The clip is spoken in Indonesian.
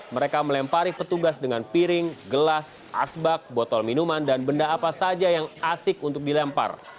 mereka melempari petugas dengan piring gelas asbak botol minuman dan benda apa saja yang asik untuk dilempar